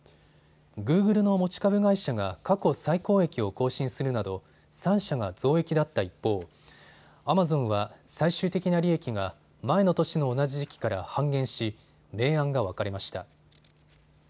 グーグルの持ち株会社が過去最高益を更新するなど３社が増益だった一方、アマゾンは最終的な利益が前の年の同じ時期から半減し明暗が分かれました。